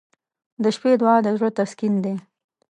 • د شپې دعا د زړه تسکین دی.